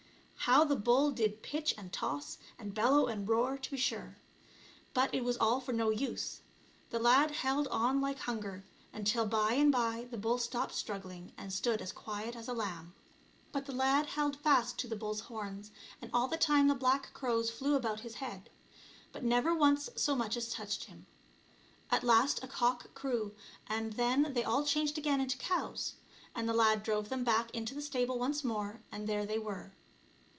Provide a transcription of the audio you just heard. How the bull did pitch and toss, and bellow and roar, to be sure, but it was all for no use, the lad held on like hunger, until by and by the bull stopped struggling and stood as quiet as a lamb. But the lad held fast to ONE GOOD TURN DESERVES ANOTHER. 99 the buirs horns, and all the time the black crows flew about his head, but never once so much as touched him. At last a cock crew, and then they all changed again into cows, and the lad drove them back into the stable once more, and there they were.